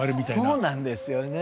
そうなんですよね。